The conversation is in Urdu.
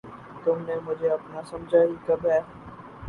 تم نے مجھے اپنا سمجھا ہی کب ہے!